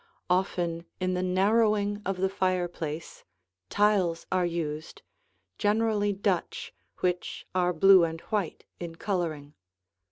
Often in the narrowing of the fireplace, tiles are used, generally Dutch, which are blue and white in coloring.